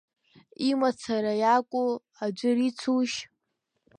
Имацара иакәу, аӡәыр ицушь?